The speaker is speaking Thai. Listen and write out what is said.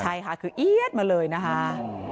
ใช่ค่ะคือเอี๊ยดมาเลยนะคะ